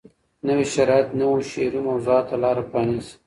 نوي شرایط نویو شعري موضوعاتو ته لار پرانیزي.